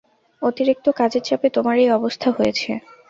অতিরিক্ত কাজের চাপে তোমার এই অবস্থা হয়েছে।